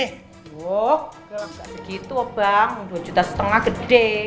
tuh gak segitu bang dua juta setengah gede